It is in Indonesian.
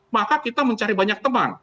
maka kita mencari banyak teman